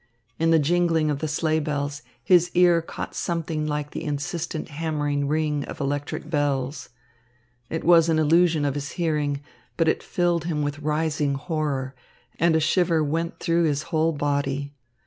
In the jingling of the sleigh bells his ear caught something like the insistent hammering ring of electric bells. It was an illusion of his hearing, but it filled him with rising horror, and a shiver went through his whole body.